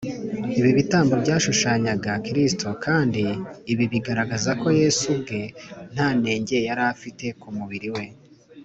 . Ibi bitambo byashushanyaga Kristo, kandi ibi bigaragaza ko Yesu ubwe nta nenge yari afite ku mubiri we